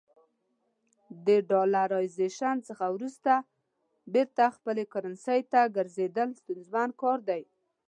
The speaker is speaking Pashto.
د ډالرایزیشن څخه وروسته بیرته خپلې کرنسۍ ته ګرځېدل ستونزمن کار دی.